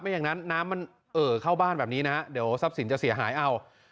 อย่างนั้นน้ำมันเอ่อเข้าบ้านแบบนี้นะเดี๋ยวทรัพย์สินจะเสียหายเอา